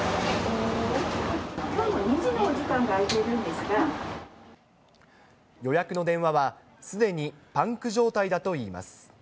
きょうの２時のお時間が空い予約の電話はすでにパンク状態だといいます。